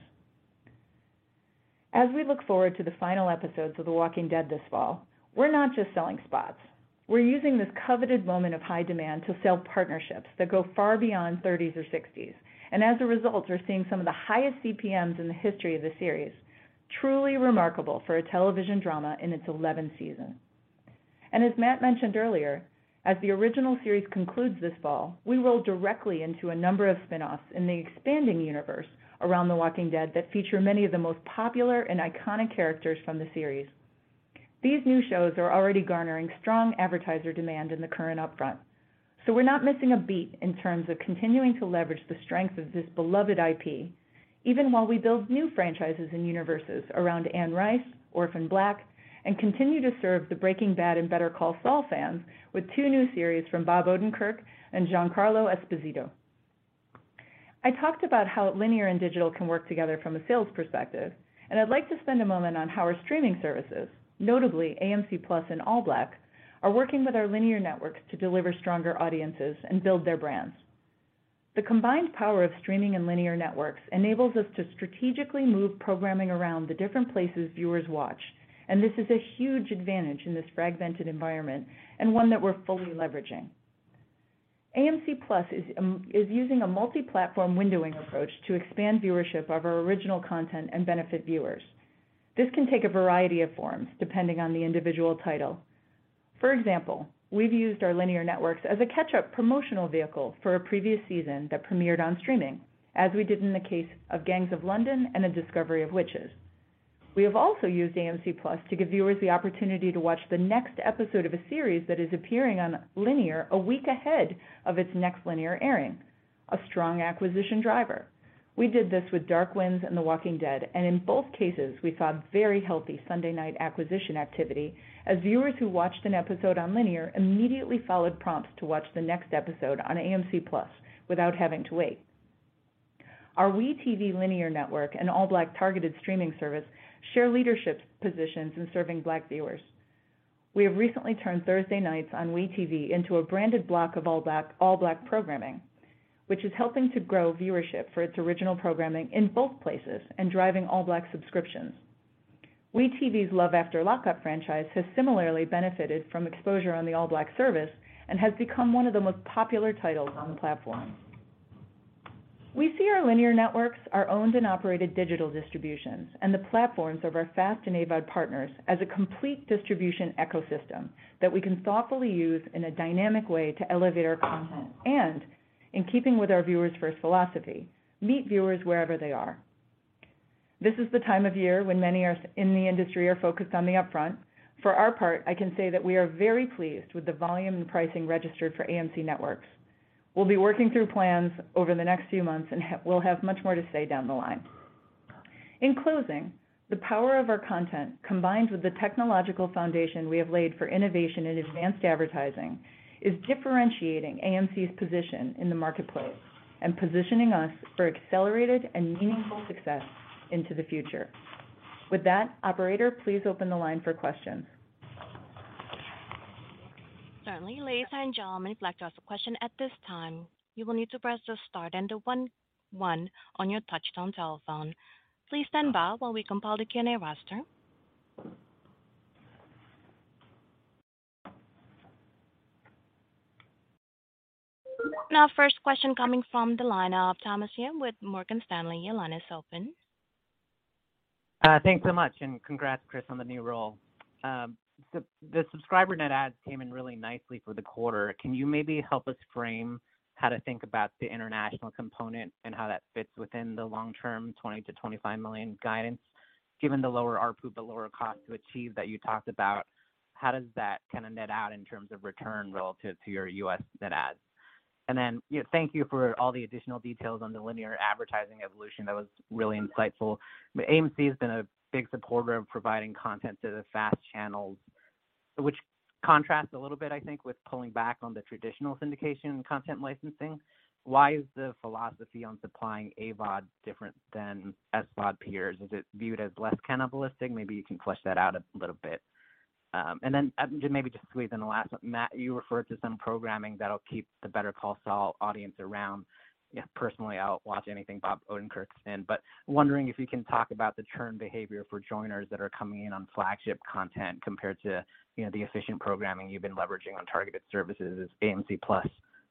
As we look forward to the final episodes of The Walking Dead this fall, we're not just selling spots. We're using this coveted moment of high demand to sell partnerships that go far beyond thirties or sixties, and as a result, we're seeing some of the highest CPMs in the history of the series. Truly remarkable for a television drama in its eleventh season. As Matt mentioned earlier, as the original series concludes this fall, we roll directly into a number of spin-offs in the expanding universe around The Walking Dead that feature many of the most popular and iconic characters from the series. These new shows are already garnering strong advertiser demand in the current upfront, so we're not missing a beat in terms of continuing to leverage the strength of this beloved IP. Even while we build new franchises and universes around Anne Rice, Orphan Black, and continue to serve the Breaking Bad and Better Call Saul fans with two new series from Bob Odenkirk and Giancarlo Esposito. I talked about how linear and digital can work together from a sales perspective, and I'd like to spend a moment on how our streaming services, notably AMC+ and ALLBLK, are working with our linear networks to deliver stronger audiences and build their brands. The combined power of streaming and linear networks enables us to strategically move programming around the different places viewers watch, and this is a huge advantage in this fragmented environment and one that we're fully leveraging. AMC+ is using a multi-platform windowing approach to expand viewership of our original content and benefit viewers. This can take a variety of forms depending on the individual title. For example, we've used our linear networks as a catch-up promotional vehicle for a previous season that premiered on streaming, as we did in the case of Gangs of London and A Discovery of Witches. We have also used AMC+ to give viewers the opportunity to watch the next episode of a series that is appearing on linear a week ahead of its next linear airing, a strong acquisition driver. We did this with Dark Winds and The Walking Dead, and in both cases, we saw very healthy Sunday night acquisition activity as viewers who watched an episode on linear immediately followed prompts to watch the next episode on AMC+ without having to wait. Our WE tv linear network and ALLBLK targeted streaming service share leadership positions in serving Black viewers. We have recently turned Thursday nights on WE tv into a branded block of ALLBLK programming, which is helping to grow viewership for its original programming in both places and driving ALLBLK subscriptions. WE tv's Love After Lockup franchise has similarly benefited from exposure on the ALLBLK service and has become one of the most popular titles on the platform. We see our linear networks are owned and operated digital distributions and the platforms of our FAST and AVOD partners as a complete distribution ecosystem that we can thoughtfully use in a dynamic way to elevate our content and in keeping with our viewers first philosophy, meet viewers wherever they are. This is the time of year when many in the industry are focused on the upfront. For our part, I can say that we are very pleased with the volume and pricing registered for AMC Networks. We'll be working through plans over the next few months, and we'll have much more to say down the line. In closing, the power of our content, combined with the technological foundation we have laid for innovation in advanced advertising, is differentiating AMC's position in the marketplace and positioning us for accelerated and meaningful success into the future. With that, operator, please open the line for questions. Certainly. Ladies and gentlemen, if you'd like to ask a question at this time, you will need to press the star then the one on your touchtone telephone. Please stand by while we compile the Q&A roster. Now first question coming from the line of Thomas Yeh with Morgan Stanley. Your line is open. Thanks so much, and congrats, Chris, on the new role. The subscriber net adds came in really nicely for the quarter. Can you maybe help us frame how to think about the international component and how that fits within the long-term 20-25 million guidance given the lower ARPU, the lower cost to achieve that you talked about, how does that kind of net out in terms of return relative to your U.S. net adds? And then, you know, thank you for all the additional details on the linear advertising evolution. That was really insightful. AMC has been a big supporter of providing content to the FAST channels, which contrasts a little bit, I think, with pulling back on the traditional syndication content licensing. Why is the philosophy on supplying AVOD different than SVOD peers? Is it viewed as less cannibalistic? Maybe you can flesh that out a little bit. Maybe just squeeze in the last. Matt, you referred to some programming that'll keep the Better Call Saul audience around. You know, personally, I'll watch anything Bob Odenkirk's in. Wondering if you can talk about the churn behavior for joiners that are coming in on flagship content compared to, you know, the efficient programming you've been leveraging on targeted services. Is AMC+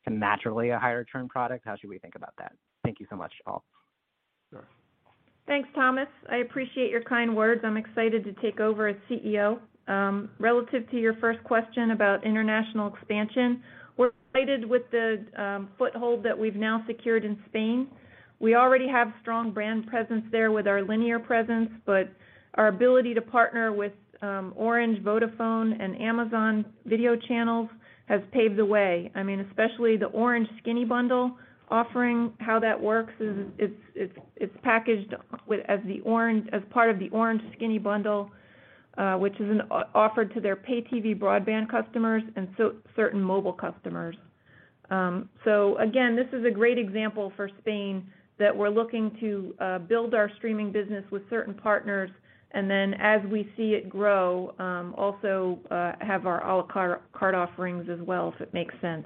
naturally a higher churn product? How should we think about that? Thank you so much, all. Sure. Thanks, Thomas. I appreciate your kind words. I'm excited to take over as CEO. Relative to your first question about international expansion, we're excited with the foothold that we've now secured in Spain. We already have strong brand presence there with our linear presence, but our ability to partner with Orange, Vodafone, and Amazon video channels has paved the way. I mean, especially the Orange Skinny bundle offering, how that works is it's packaged as part of the Orange Skinny bundle, which is offered to their pay TV broadband customers and certain mobile customers. Again, this is a great example for Spain that we're looking to build our streaming business with certain partners, and then as we see it grow, also have our à la carte offerings as well, if it makes sense.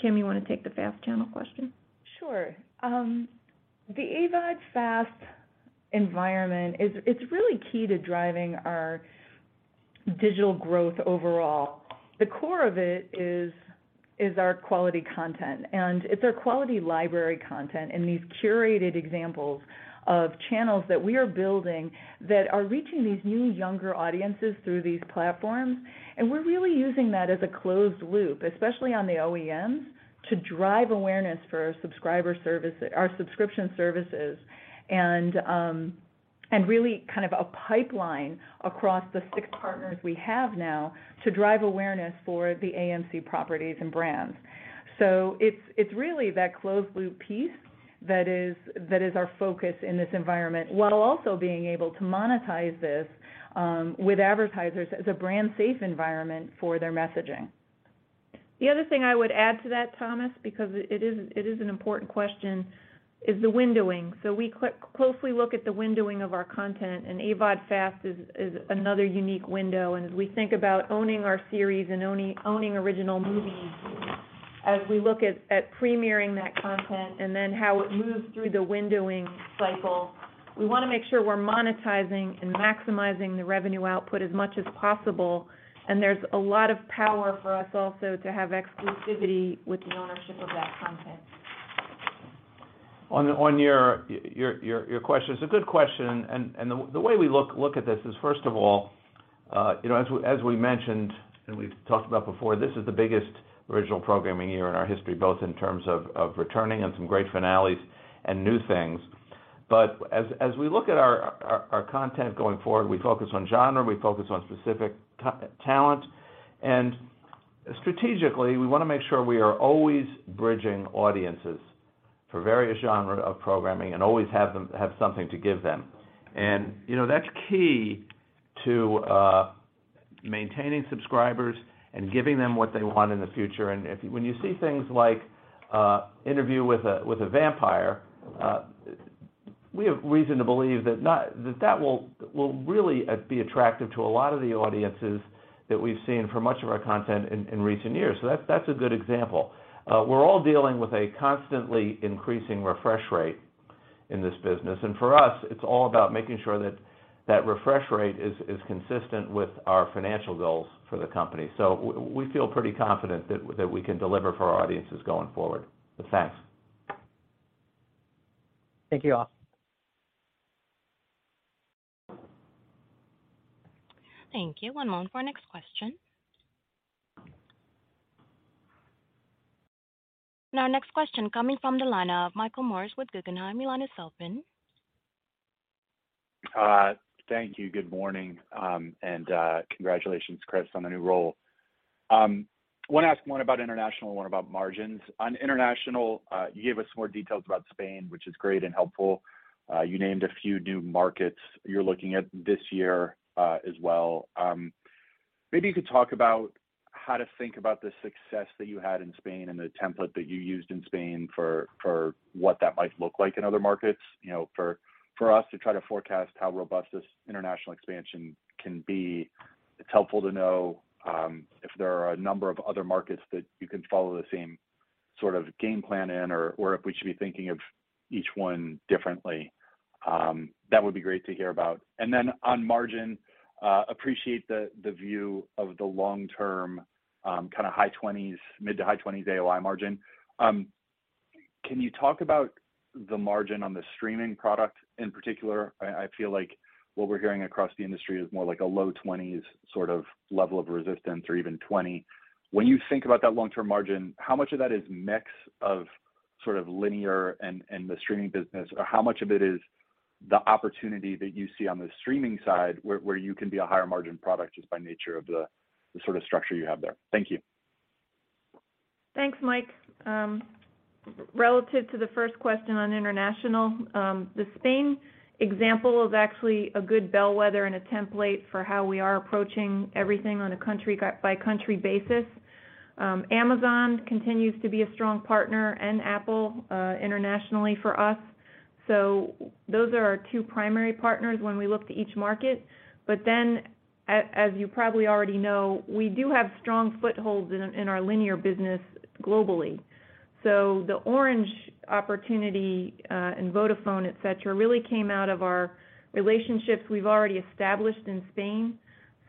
Kim, you wanna take the FAST channel question? Sure. The AVOD FAST environment is. It's really key to driving our digital growth overall. The core of it is our quality content, and it's our quality library content and these curated examples of channels that we are building that are reaching these new younger audiences through these platforms. We're really using that as a closed loop, especially on the OEMs, to drive awareness for our subscriber service, our subscription services, and really kind of a pipeline across the six partners we have now to drive awareness for the AMC properties and brands. It's really that closed loop piece that is our focus in this environment, while also being able to monetize this with advertisers as a brand safe environment for their messaging. The other thing I would add to that, Thomas, because it is an important question, is the windowing. We closely look at the windowing of our content, and AVOD FAST is another unique window. As we think about owning our series and owning original movies, as we look at premiering that content and then how it moves through the windowing cycle, we wanna make sure we're monetizing and maximizing the revenue output as much as possible. There's a lot of power for us also to have exclusivity with the ownership of that content. On your question, it's a good question, and the way we look at this is, first of all, you know, as we mentioned and we've talked about before, this is the biggest original programming year in our history, both in terms of returning and some great finales and new things. As we look at our content going forward, we focus on genre, we focus on specific talent. Strategically, we wanna make sure we are always bridging audiences for various genre of programming and always have something to give them. You know, that's key to maintaining subscribers and giving them what they want in the future. When you see things like Interview with the Vampire, we have reason to believe that that will really be attractive to a lot of the audiences that we've seen for much of our content in recent years. That's a good example. We're all dealing with a constantly increasing refresh rate in this business. For us, it's all about making sure that that refresh rate is consistent with our financial goals for the company. We feel pretty confident that we can deliver for our audiences going forward with that. Thank you all. Thank you. One moment for our next question. Now next question coming from the line of Michael Morris with Guggenheim. Your line is open. Thank you. Good morning, and congratulations, Chris, on the new role. Wanna ask one about international, one about margins. On international, you gave us more details about Spain, which is great and helpful. You named a few new markets you're looking at this year, as well. Maybe you could talk about how to think about the success that you had in Spain and the template that you used in Spain for what that might look like in other markets. You know, for us to try to forecast how robust this international expansion can be, it's helpful to know if there are a number of other markets that you can follow the same sort of game plan in or if we should be thinking of each one differently, that would be great to hear about. On margin, appreciate the view of the long-term kind of high 20s%, mid to high 20s AOI margin. Can you talk about the margin on the streaming product in particular? I feel like what we're hearing across the industry is more like a low 20s sort of level of resistance or even 20%. When you think about that long-term margin, how much of that is mix of sort of linear and the streaming business? Or how much of it is the opportunity that you see on the streaming side where you can be a higher margin product just by nature of the sort of structure you have there? Thank you. Thanks, Mike. Relative to the first question on international, the Spain example is actually a good bellwether and a template for how we are approaching everything on a country by country basis. Amazon continues to be a strong partner and Apple internationally for us. Those are our two primary partners when we look to each market. As you probably already know, we do have strong footholds in our linear business globally. The Orange opportunity and Vodafone, et cetera, really came out of our relationships we've already established in Spain.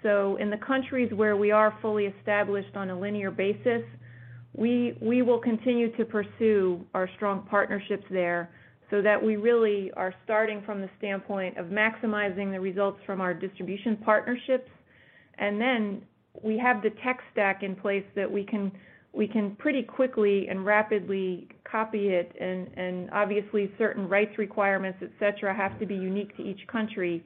In the countries where we are fully established on a linear basis, we will continue to pursue our strong partnerships there so that we really are starting from the standpoint of maximizing the results from our distribution partnerships. We have the tech stack in place that we can pretty quickly and rapidly copy it and obviously, certain rights requirements, et cetera, have to be unique to each country.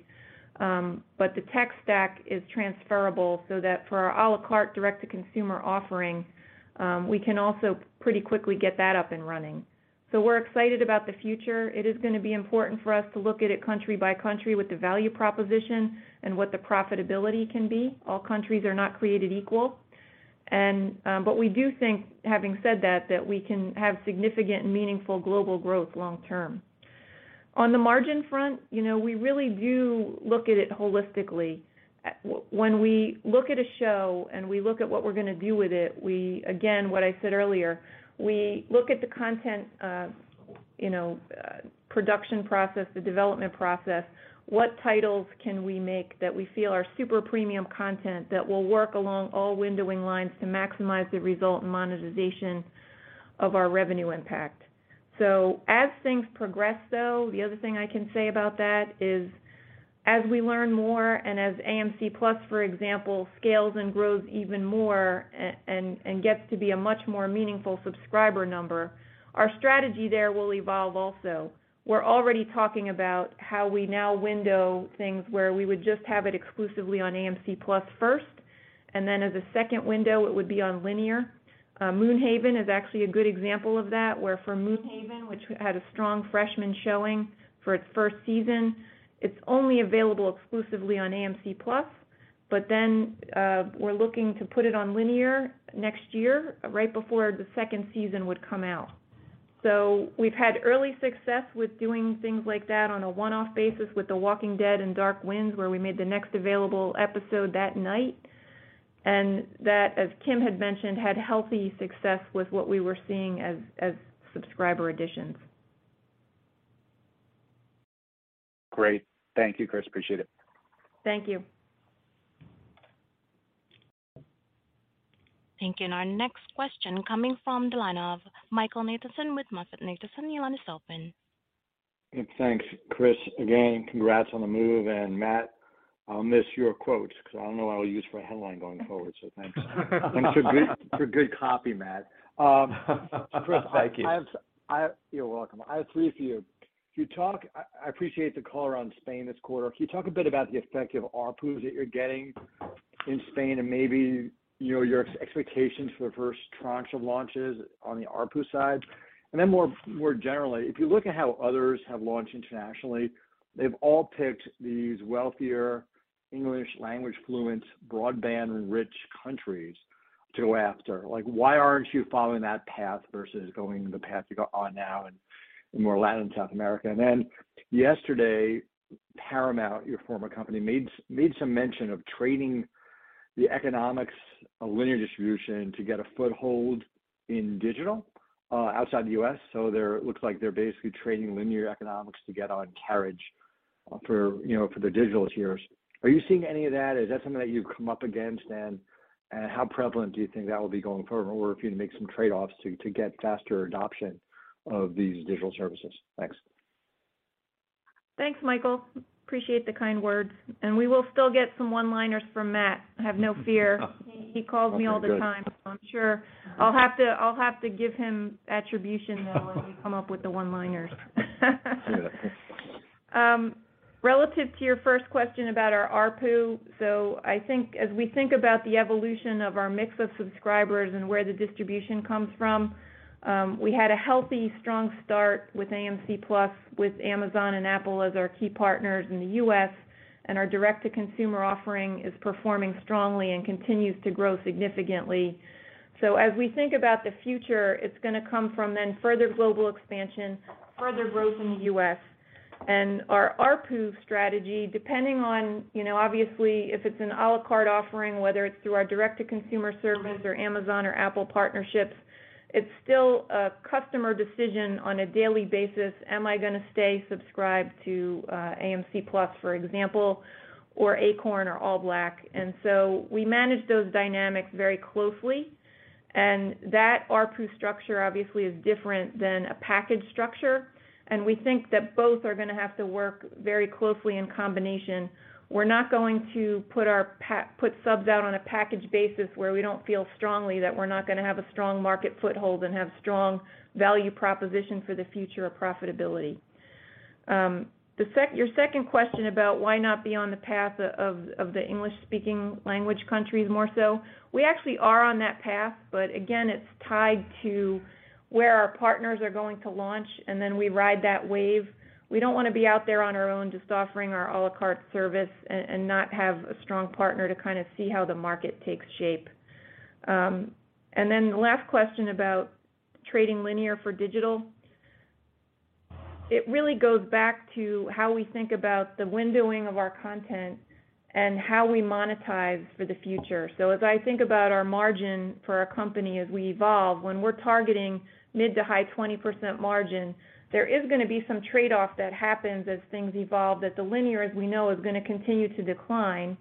But the tech stack is transferable so that for our a la carte direct-to-consumer offering, we can also pretty quickly get that up and running. We're excited about the future. It is gonna be important for us to look at it country by country with the value proposition and what the profitability can be. All countries are not created equal. We do think, having said that we can have significant, meaningful global growth long term. On the margin front, you know, we really do look at it holistically. When we look at a show and we look at what we're gonna do with it, again, what I said earlier, we look at the content, you know, production process, the development process. What titles can we make that we feel are super premium content that will work along all windowing lines to maximize the result and monetization of our revenue impact? As things progress, though, the other thing I can say about that is, as we learn more and as AMC+, for example, scales and grows even more and gets to be a much more meaningful subscriber number, our strategy there will evolve also. We're already talking about how we now window things where we would just have it exclusively on AMC+ first, and then as a second window, it would be on linear. Moonhaven is actually a good example of that, where for Moonhaven, which had a strong freshman showing for its first season, it's only available exclusively on AMC+. We're looking to put it on linear next year right before the second season would come out. We've had early success with doing things like that on a one-off basis with The Walking Dead and Dark Winds, where we made the next available episode that night. That, as Kim had mentioned, had healthy success with what we were seeing as subscriber additions. Great. Thank you, Chris. Appreciate it. Thank you. Thank you. Our next question coming from the line of Michael Nathanson with MoffettNathanson. The line is open. Thanks, Chris. Again, congrats on the move. Matt, I'll miss your quotes because I don't know what I'll use for a headline going forward. Thanks. Thanks for good copy, Matt. Thank you. You're welcome. I have three for you. Could you talk. I appreciate the call around Spain this quarter. Could you talk a bit about the effect of ARPU that you're getting in Spain and maybe, you know, your expectations for the first tranche of launches on the ARPU side? Then more generally, if you look at how others have launched internationally, they've all picked these wealthier English language fluent, broadband-rich countries to go after. Like, why aren't you following that path versus going the path you go on now in more Latin South America? Then yesterday, Paramount, your former company, made some mention of trading the economics of linear distribution to get a foothold in digital outside the U.S. It looks like they're basically trading linear economics to get on carriage for, you know, for the digital tiers. Are you seeing any of that? Is that something that you've come up against? How prevalent do you think that will be going forward? Or if you had to make some trade-offs to get faster adoption of these digital services? Thanks. Thanks, Michael. Appreciate the kind words. We will still get some one-liners from Matt. Have no fear. He calls me all the time. Okay, good. I'm sure I'll have to give him attribution, though, when we come up with the one-liners. Yeah. Relative to your first question about our ARPU, I think as we think about the evolution of our mix of subscribers and where the distribution comes from, we had a healthy, strong start with AMC+ with Amazon and Apple as our key partners in the U.S., and our direct-to-consumer offering is performing strongly and continues to grow significantly. As we think about the future, it's gonna come from then further global expansion, further growth in the U.S. Our ARPU strategy, depending on, you know, obviously, if it's an a la carte offering, whether it's through our direct-to-consumer service or Amazon or Apple partnerships, it's still a customer decision on a daily basis. Am I gonna stay subscribed to AMC+, for example, or Acorn or ALLBLK? We manage those dynamics very closely, and that ARPU structure obviously is different than a package structure. We think that both are gonna have to work very closely in combination. We're not going to put subs out on a package basis where we don't feel strongly that we're not gonna have a strong market foothold and have strong value proposition for the future of profitability. Your second question about why not be on the path of the English-speaking language countries more so, we actually are on that path, but again, it's tied to where our partners are going to launch, and then we ride that wave. We don't wanna be out there on our own, just offering our a la carte service and not have a strong partner to kind of see how the market takes shape. The last question about trading linear for digital. It really goes back to how we think about the windowing of our content and how we monetize for the future. As I think about our margin for our company as we evolve, when we're targeting mid to high 20% margin, there is gonna be some trade-off that happens as things evolve, as the linear, as we know, is gonna continue to decline.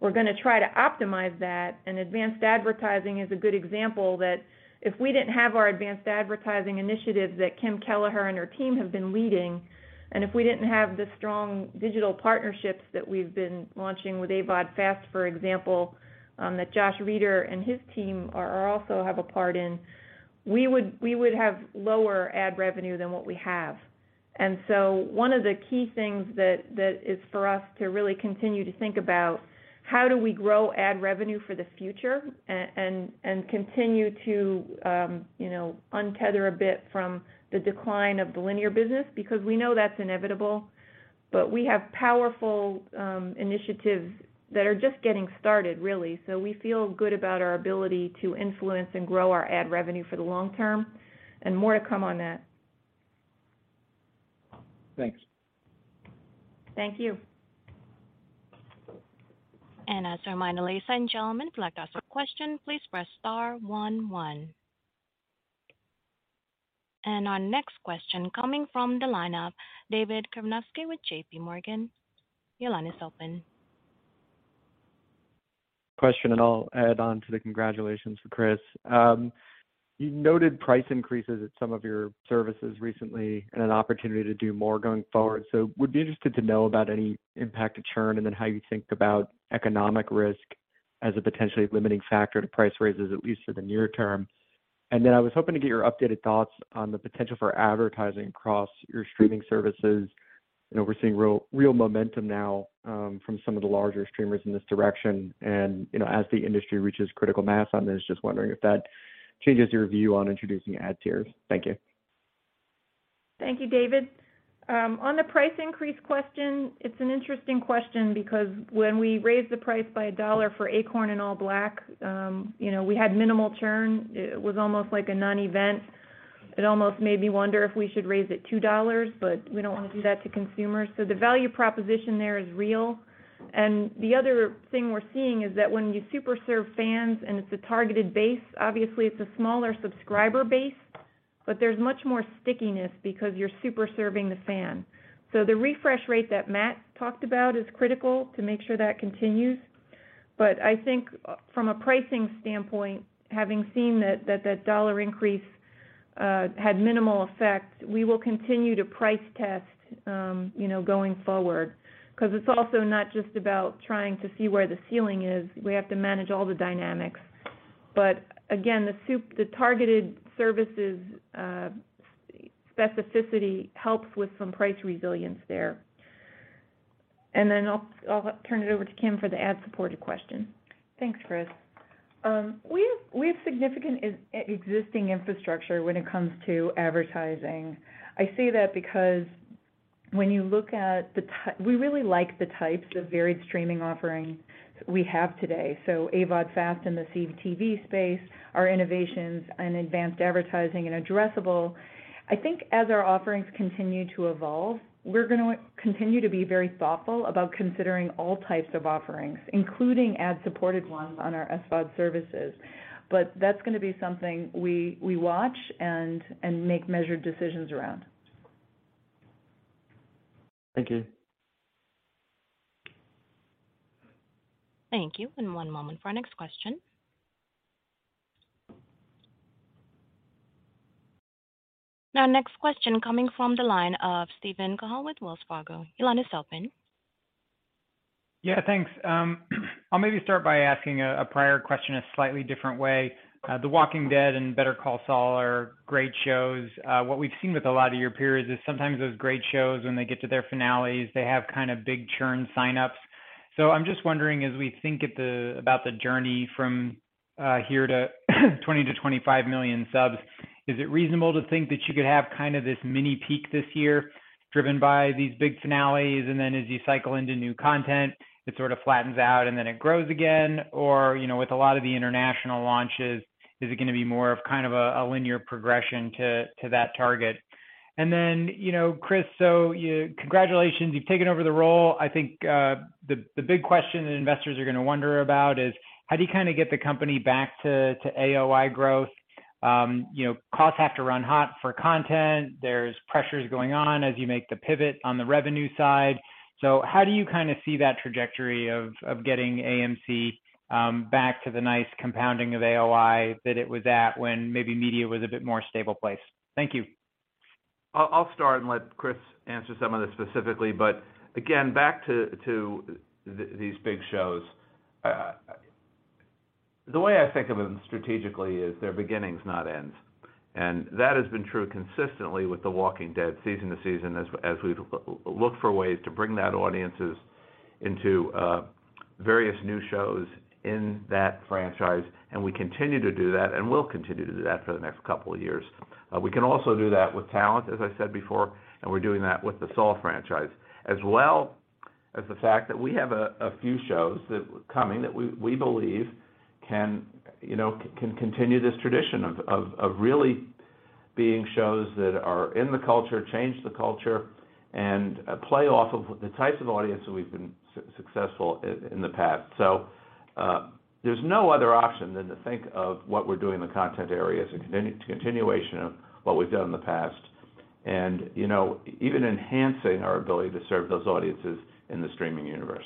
We're gonna try to optimize that, and advanced advertising is a good example that if we didn't have our advanced advertising initiatives that Kim Kelleher and her team have been leading, and if we didn't have the strong digital partnerships that we've been launching with AVOD FAST, for example, that Josh Reader and his team also have a part in, we would have lower ad revenue than what we have. One of the key things that is for us to really continue to think about how do we grow ad revenue for the future and continue to, you know, untether a bit from the decline of the linear business because we know that's inevitable. We have powerful initiatives that are just getting started, really. We feel good about our ability to influence and grow our ad revenue for the long term and more to come on that. Thanks. Thank you. As a reminder, ladies and gentlemen, if you'd like to ask a question, please press star one one. Our next question coming from the line of David Joyce with JPMorgan. Your line is open. Question, I'll add on to the congratulations for Chris Spade. You noted price increases at some of your services recently and an opportunity to do more going forward. Would be interested to know about any impact to churn and then how you think about economic risk as a potentially limiting factor to price raises, at least for the near term. Then I was hoping to get your updated thoughts on the potential for advertising across your streaming services. I know we're seeing real momentum now from some of the larger streamers in this direction. You know, as the industry reaches critical mass on this, just wondering if that changes your view on introducing ad tiers. Thank you. Thank you, David. On the price increase question, it's an interesting question because when we raised the price by $1 for Acorn and ALLBLK, you know, we had minimal churn. It was almost like a nonevent. It almost made me wonder if we should raise it $2, but we don't want to do that to consumers. The value proposition there is real. The other thing we're seeing is that when you super serve fans and it's a targeted base, obviously it's a smaller subscriber base, but there's much more stickiness because you're super serving the fan. The refresh rate that Matt talked about is critical to make sure that continues. I think from a pricing standpoint, having seen that $1 increase had minimal effect, we will continue to price test, you know, going forward. Because it's also not just about trying to see where the ceiling is. We have to manage all the dynamics. Again, the targeted services specificity helps with some price resilience there. Then I'll turn it over to Kim for the ad-supported question. Thanks, Chris. We have significant existing infrastructure when it comes to advertising. I say that because when you look at, we really like the types of varied streaming offerings we have today. AVOD, FAST in the CTV space, our innovations in advanced advertising and addressable. I think as our offerings continue to evolve, we're gonna continue to be very thoughtful about considering all types of offerings, including ad-supported ones on our SVOD services. That's gonna be something we watch and make measured decisions around. Thank you. Thank you. One moment for our next question. Our next question coming from the line of Steven Cahall with Wells Fargo. Your line is open. Yeah, thanks. I'll maybe start by asking a prior question a slightly different way. The Walking Dead and Better Call Saul are great shows. What we've seen with a lot of your peers is sometimes those great shows, when they get to their finales, they have kind of big churn sign-ups. I'm just wondering, as we think about the journey from here to 20-25 million subs. Is it reasonable to think that you could have kind of this mini peak this year driven by these big finales, and then as you cycle into new content, it sort of flattens out and then it grows again? Or, you know, with a lot of the international launches, is it gonna be more of kind of a linear progression to that target? Then, you know, Chris, so congratulations. You've taken over the role. I think, the big question that investors are gonna wonder about is how do you kinda get the company back to AOI growth? You know, costs have to run hot for content. There's pressures going on as you make the pivot on the revenue side. How do you kinda see that trajectory of getting AMC back to the nice compounding of AOI that it was at when maybe media was a bit more stable place? Thank you. I'll start and let Chris answer some of this specifically. Again, back to these big shows. The way I think of them strategically is they're beginnings not ends. That has been true consistently with The Walking Dead season to season as we've look for ways to bring that audience into various new shows in that franchise, and we continue to do that and will continue to do that for the next couple of years. We can also do that with talent, as I said before, and we're doing that with the Saul franchise. As well as the fact that we have a few shows that we believe can, you know, can continue this tradition of really being shows that are in the culture, change the culture, and play off of the types of audience that we've been successful in the past. There's no other option than to think of what we're doing in the content areas as a continuation of what we've done in the past. You know, even enhancing our ability to serve those audiences in the streaming universe.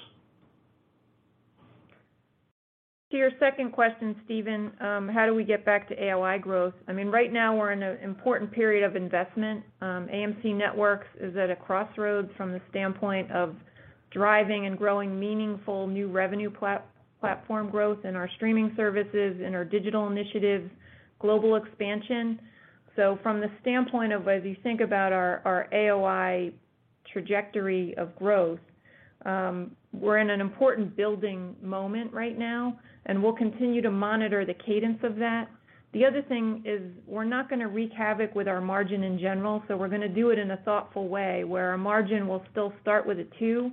To your second question, Steven, how do we get back to AOI growth? I mean, right now we're in an important period of investment. AMC Networks is at a crossroads from the standpoint of driving and growing meaningful new revenue platform growth in our streaming services, in our digital initiatives, global expansion. From the standpoint of as you think about our AOI trajectory of growth, we're in an important building moment right now, and we'll continue to monitor the cadence of that. The other thing is we're not gonna wreak havoc with our margin in general, so we're gonna do it in a thoughtful way where our margin will still start with a two.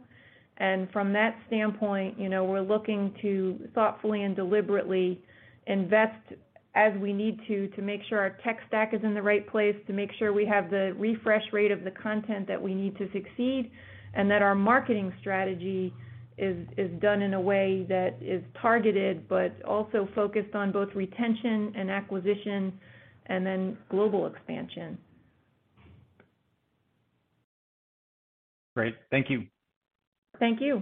From that standpoint, you know, we're looking to thoughtfully and deliberately invest as we need to make sure our tech stack is in the right place, to make sure we have the refresh rate of the content that we need to succeed, and that our marketing strategy is done in a way that is targeted, but also focused on both retention and acquisition and then global expansion. Great. Thank you. Thank you.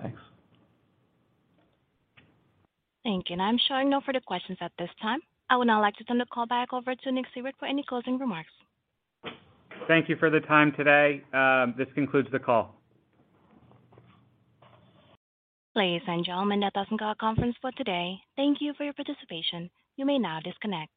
Thanks. Thank you. I'm showing no further questions at this time. I would now like to turn the call back over to Nicholas Seibert for any closing remarks. Thank you for the time today. This concludes the call. Ladies and gentlemen, that does end our conference for today. Thank you for your participation. You may now disconnect.